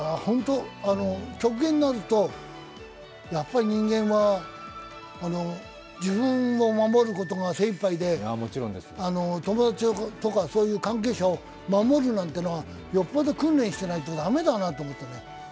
極限になると、やっぱり人間は自分を守ることが精いっぱいで友達とか関係者を守るなんてのはよっぽど訓練してないと駄目だなと思ったね。